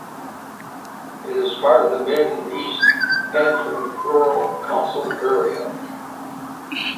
It is part of the Mid and East Antrim Borough Council area.